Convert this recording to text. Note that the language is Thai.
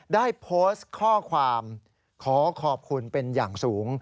ได้โพสต์ข้อความขอขอบคุณเป็นอย่างสูง